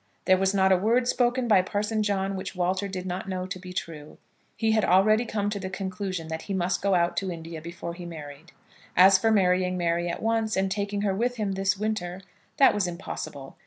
There was not a word spoken by Parson John which Walter did not know to be true. He had already come to the conclusion that he must go out to India before he married. As for marrying Mary at once and taking her with him this winter, that was impossible.